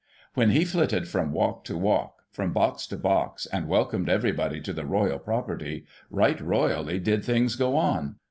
When he flitted from walk to walk, from box to box, and welcomed everybody to the * Royal property,' right royally did things go on